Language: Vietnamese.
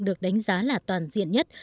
được đánh giá là toàn diện nhất